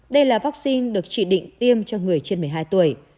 đây là vắc xin được trị định tiêm cho người trên một mươi hai tuổi